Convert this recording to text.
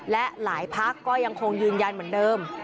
และหลายพักก็ยังคงยืนยันเหมือนเดิม